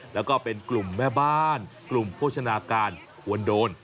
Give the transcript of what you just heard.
แล้วก็เป็นกลุ่มแม่บ้านกลุ่มโภชนาการควรโดน